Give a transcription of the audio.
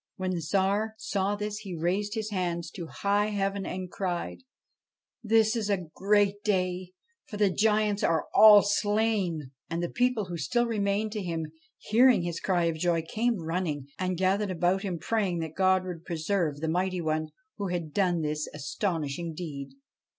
When the Tsar saw this he raised his hands to high heaven and cried, ' This is a great day, for the giants are all slain !' And the people, who still remained to him, hearing his cry of joy, came running, and gathered about him, praying that God would preserve the mighty one who had done this astonishing deed.